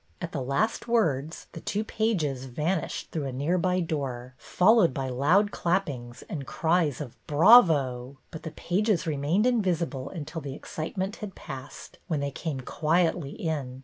At the last words the two pages vanished through a nearby door, followed by loud clappings and cries of "Bravo;" but the pages remained invisible until the excitement had passed, when they came quietly in.